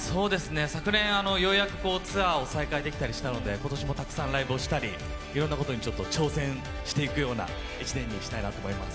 昨年、ようやくツアーを再開できたりしたので、今年もたくさんライブをしたり、いろんなことに挑戦していくような年にしていきたいと思います。